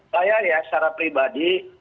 saya ya secara pribadi